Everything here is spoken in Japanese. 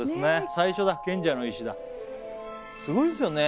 最初だ「賢者の石」だすごいですよね